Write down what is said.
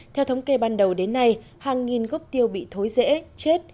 theo thống kê ban đầu đến nay hàng nghìn gốc tiêu bị thối rễ chết